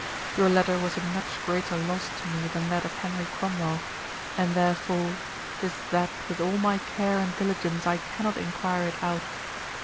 Your letter was a much greater loss to me than that of Henry Cromwell, and, therefore, 'tis that with all my care and diligence I cannot inquire it out.